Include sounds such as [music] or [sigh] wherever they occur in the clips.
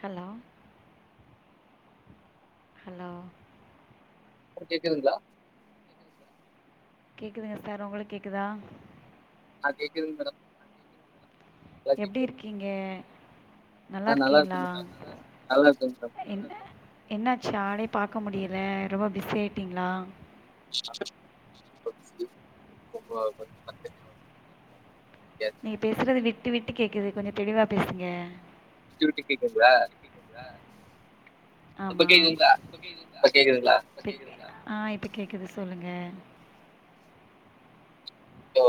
hello hello ப்ப கேக்குதுங்ளா கேக்குதுங்க சார் உங்களுக் கேக்குதா ஆ கேக்குதுங் மேடம் எப்டி இருக்கிங்க நல்லாருக்கிங்ளா என்ன என்னாச்சு ஆளே பாக்க முடியல ரொம்ப பிஸி ஆயிட்டிங்ளா [inaudible] நீங்க பேசறது விட்டு விட்டு கேக்குது கொஞ்ச தெளிவா பேசுங்க விட்டு விட்டு கேக்குங்ளா ஆமா ப் ஆ இப்ப கேக்குது ச சொல்லுங்க ஸோ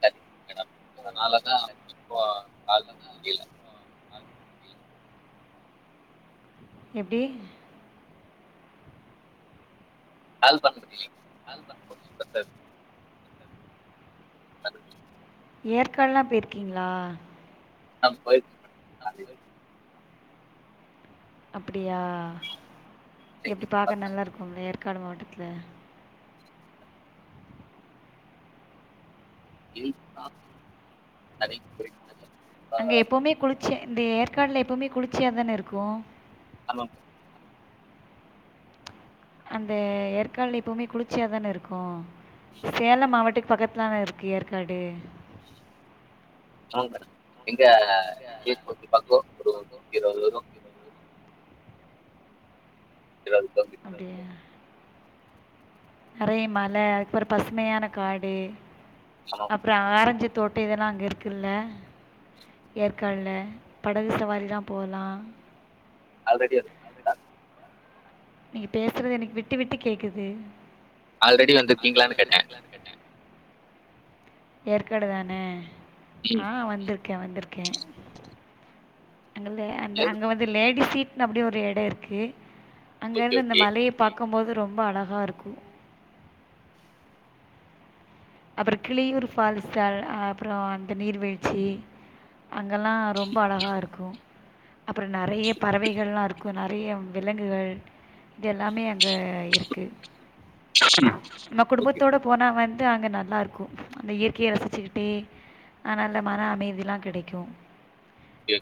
சரிங்க மேடம் அதனாலதா இப்போ கால் பண்ண முடில எப்டி கால் பண்ண முடிலிங் கால் பண் முடிலிங் தலுவலி ஏற்காடுல்லா போயிருக்கீங்ளா அஹ் போயிருக்கே மேடம் அப்டியா எப்டி பாக்க நல்லாருக்கும்ல ஏற்காடு மாவட்டத்துல ரீல்ஸ்தா தடை [inaudible] அங்க எப்பவுமே குளிச்சியான இந்த ஏற்காடுல எப்பவுமே குளிசர்ச்சியாதானே இருக்கு ஆமாங் அந்த ஏற்காடுல எப்பவுமே குளிர்ச்சியாதானே இருக்கு சேலம் மாவட்டக் பக்கத்ல தானருக்கு ஏற்காடு ஆமாங் மேடொ எங்க [unintelligible] பக்கொ ஒரு கிலோ வரும் அப்டியே நெறைய மல அப்றொ பசுமையான காடு அப்றொ ஆரஞ்சு தோட்ட இதெல்லா அங்கருக்குல ஏற்காடுல படகு சவாரிலா போலா ஆல்ரெடி அது நீங்க பேசுறது எனக்கு விட்டு விட்டு கேக்குது ஆல்ரெடி வந்துருக்கீங்ளானு கேட்டே ஏற்காடு தானே ஆஹ் வந்துருக் கே வந்திருக்கே எங்கல்ந்தே அங்க வந்து லேடிஸி அப்டி ஒரு எடொருக்கு அங்கருந்து அந்த மலைய பாக் க்கம்போது ரொம்ப அழகாருக்கு அப்புறோ கிளியூர் ஃபாஸ்சல் அப்புறோ அந்த நீர்வீழ்ச்சி அங்கல்லா ரொம்ப அழகா இருக்கு அப்புறம் நறைய பறவைகள்லாருக்கு நறைய விலங்குகள் இதெல்லாமே அங்க இருக்கு நம்ப குடும்பத்தோட போனா வந்து அங்க நல்லாருக்கு அந்த இயற்கைய ரசிச்சுக்கிட்டே ஆஹ் நல்ல மன அமைதிலா கிடைக்கு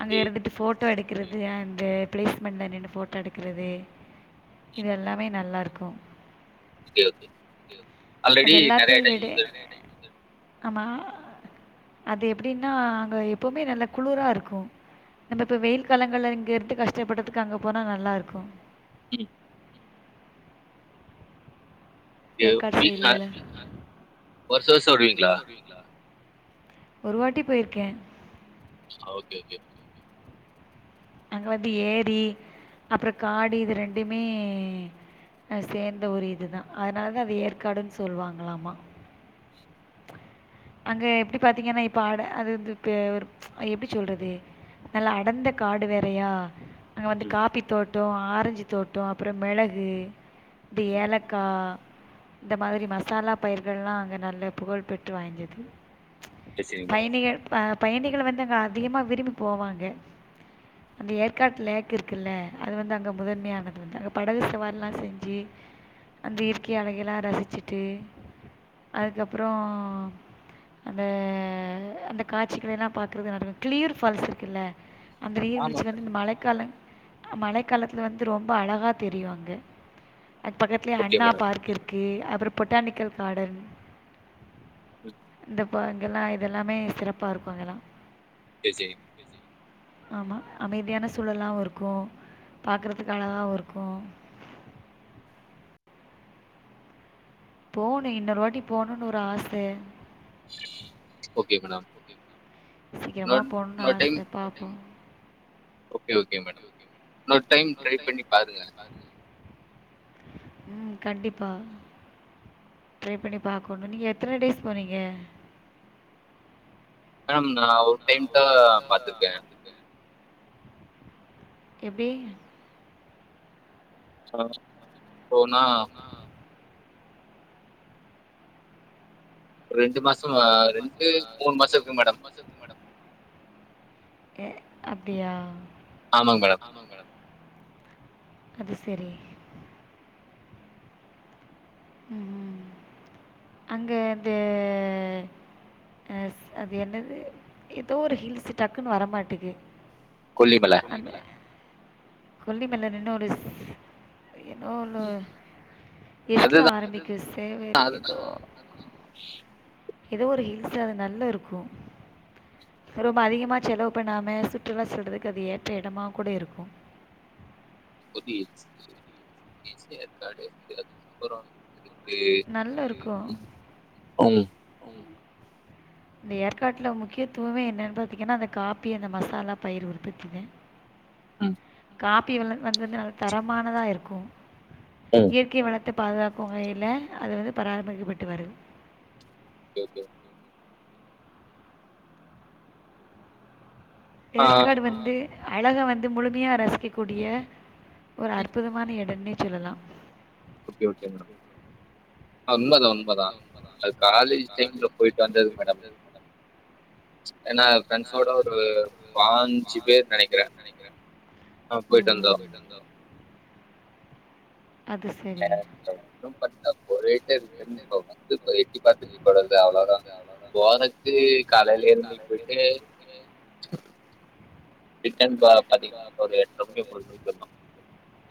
அங்க இருந்துட்டு போட்டோ எடுக்கறது அந்த பிளேஸ்மெண்ட்ல நின்னு போட்டோ எடுக்கறது இது எல்லாமே நல்லாருக்கு அது எல்லாத்தையு விட ஆமா அது எப்டின்னா அங்க எப்பவுமே நல்ல குளுரா இருக்கு நம்ப இப்ப வெயில் காலங்கள்ல இங்க இருந்து கஷ்டப்படுறதுக்கு அங்க போனா நல்லாருக்கும் ம் ஏற்காட் சைட்ல எல்லா ஒரு வாட்டி போயிருக்கேன் ஆ ஓகே ஓகே அங்க வந்து ஏரி அப்றொ காடு இது ரெண்டுமே அஹ் சேர்ந்த ஊரு இதுதா அதனாலதா அது ஏற்காடுனு சொல்வாங்களாமா அங்க எப்டி பாத்தீங்கன்னா இப்ப ஆட அது வந்து இப்ப ஒரு எப்டி சொல்றது நல்லா அடந்த காடு வேறையா அங்க வந்து காப்பி தோட்டோ ஆரஞ்சு தோட்டோ அப்றம் மெளகு இந்த ஏலக்கா இந்த மாதிரி மசாலா பயிர்கள்லா அங்க நல்லப் புகழ் பெற்று வாய்ந்தது பயணிகள் ப பயணிகள் வந்து அங்க அதிகமா விரும்பி போவாங்க அந்த ஏற்காட்டு லேக் இருக்குல்ல அது வந்து அங்க முதன்மையானது வந்து அங்க படகு சவாரில்லா செஞ்சி அந்த இயற்கை அழகெல்லா ரசிச்சிட்டு அதுக்கப்றோ அந்த அந்த காட்சிகள எல்லா பாக்கறது நடக்கு கிளியூர் ஃபால்ஸ் இருக்குல்ல அந்த நீர் வீழ்ச்சி வந்து இந்த மழைக் காலங் மழைக் காலத்துல வந்து ரொம்ப அழகா தெரியு அங்க அதுக் பக்கத்லியே அண்ணா பார்க் இருக்கு அப்றோ பொட்டானிக்கல் காடன் ம் ப்போ இங்கெல்லா இதெல்லாமே சிறப்பா இருக்கு அங்கெல்லா சேர் செரி ஆமா அமைதியான சூழலாவு இருக்கு பாக்கறதுக்கு அழகாவு இருக்கு போணே இன்னொரு வாட்டி போணுன் ஒரு ஆச ஓக்கே மேடம் சீக்கிரமா போணுன் ஆச பாப்போ கே ஓகே மேடம் இன்னொரு டைம் ட்ரை பண்ணி பாருங்க ம் கண்டிப்பா ட்ரை பண்ணி பாக்கோனு நீங்க எத்தன டேஸ் போனீங்க மேடம் நா ஒரு டென் தா பாத்ருக்கே எப்டி ஆ போனா ரெண்டு மாஸ் ரெண்டு மாசமா ரெண்டு மூன் மாச இருக்கு மேடம் ஏ அப்டியா ஆமாங் மேடம் அது செரி ம் ம் அங்கந்தே ஆஸ் அது என்னது ஏதோ ஒரு ஹில்ஸ் டக்குனு வரமாட்டக்கு புரியில்லங்க கொல்லிமல்ல நின்னோருஸ் என்னமோ ஒன்னு எஸ்ல ஆரம்பிக்கு சேவேரி எதோ எதோ ஒரு ஹில்ஸ் அது நல்லாருக்கு ரொம்ப அதிகமா செலவு பண்ணாம சுற்றுலா சொல்றதுக்கு அது ஏற்ற எடமா கூட இருக்கு பப்பி ஹில்ஸ் நெக்ஸ்ட்டு ஏற்காடு அதுக்கப்புறோ ஏ ம் ம் இந்த ஏற்காட்ல முக்கியத்துவமே என்னன் பாத்தீங்னா அந்த காப்பி அந்த மசாலா பயிர் உற்பத்திதே ம் காப்பி வல்ல வந்துர்ந்து நல்ல தரமானதா இருக்கு இயற்கை வளத் த பாதுகாக்கு வகையில அது வந்து பராமரிக்கப்பட்டு வருது கே ஒகே ஏற்காடு வந்து அழக வந்து முழுமையா ரசிக்க கூடிய ஒரு அற்புதமான எடன்னே சொல்லலா ஒகே ஓகே மேடம் உண்மதா உண்மதா அது காலேஜ் டைம்ல போய்ட்டு வந்தது மேடம் ஏனா ஃப்ரெண்ட்ஸோட ஒரு பாஞ்சி பேர் நெனைக்கிற ம் ம் போய்ட்டு வந்தோறோ சார் [unintelligible] ஒரே டைம் தெரிஞ்கோ இப்ப வந்து இப்போ எட்டி பாத்துட் போனத்தா அவ்ளோதா போனத்க்கு காலைலே காலைலேயே [unintelligible] கெடையாது ரிட்டன் போ பாத்தீங்கன்னா ஒரு எட்டரை மணி ஒம்பது மணிக்கு போய்ரனு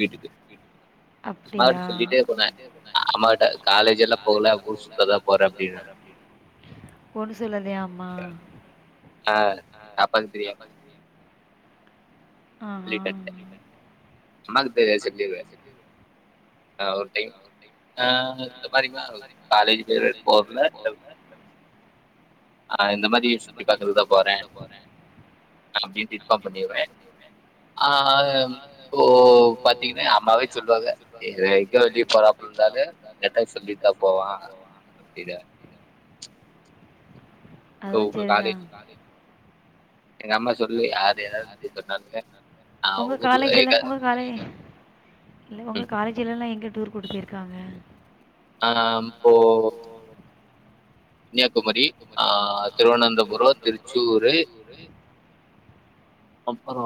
வீட்டுக்கு அப்டியா காலேஜ் எல்லா போகல ஊர் சுத்தாதா போறே அப்டின்னே போலீஸ் சொல்லலயாம்மா ஆஹ என்னது பேரு சிப்லவே ஆ ஒரு ஆ இந்த மாரிங்களா காலேஜ்க்கு வேற போவல ஆ இந்த மாதி சுத்தி பாக்கறதுக்கு தா போறே அப்டின்னு இன்பாம் பண்ணிருவே ஆ ஓ பாத்தீங்கன்னா அம்மாவே சொல்லுவாங்க சேரி ரைட் எங்கோ வெளிய போறாப்பு இருந்தாலே என்ட்ட சொல்லீட்தா போவா அப்டின்னு அதுவு சேரிதா ஒங்க காலேஜ்ல ஒங்க காலே இல்ல ஒங்க காலேஜ்லல்லா எங்க டூர் கூட்டு போயிருக்காங்க ஆம் போ கன்னியாகுமரி ஆ திருவனந்தபுரோ திருச்சூரு [unintelligible] அப்பறோ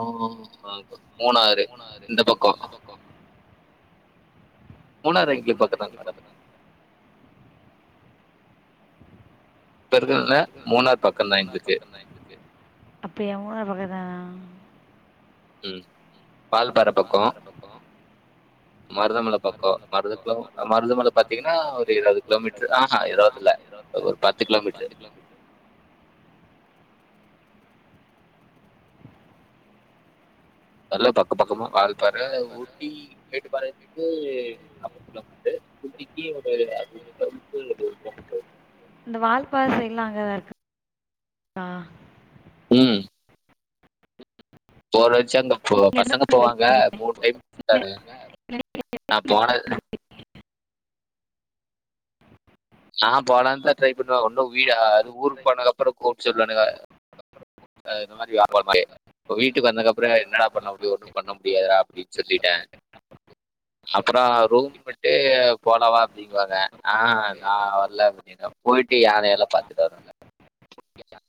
மூணாறு இந்த பக்கோ மூணாரு எங்களுக்கு பக்கம் தாங்க மேடம் அப்டியா மூணார் பக்கத் ஆ ம் வால்பாற பக்கோ மருதமல பக்கோ மருத கிலோ மருதமல பாத்தீங்கன்னா ஒரு இருவது கிலோமீட்ரு ஆஹா இருவது ஆ இல்ல இருவது இல்ல ஒரு பத்து கிலோ மீட்ரு எல்லா பக்கம் பக்கமா வால்பாற ஊட்டி மேட்டுப்பாளைதுக்கு நாப்பது கிலோ மீட்ரு ஊட்டிக்கி ஒரு அறுவது கிலோ மீட்ரு இருக்கு ம் அப்பா சைடு எல்லா அங்கதா இருக்கு ஆ ம் போர் அடிச்சா அங்க போ பசங்க போவாங்க மூணு டைம் டரு ஆ போனது ஆ போலான்னு தா ட்ரை பண்ணுவே ஒன்னு வீடு ஆகாது ஊருக்கு போனதுக்கு அப்பறோ கூப்ட்டு சொல்லுவானுங்க ஆ இந்த மாதி வியா போற மாதி வீட்டுக்கு வந்ததுக்கப்பறோ என்னடா பண்ண முடியு ஒண்ணு பண்ண முடியாதுடா அப்டின்னு சொல்லீட்டே [inaudible] அப்பறோ ரூம் மெட்டு போலா வா அப்டிங்குவாங்க ஆ நா வரல அப்டின்னே போயிட் பொய் யானை எல்லா பாத்துட்டு வருவே [inaudible]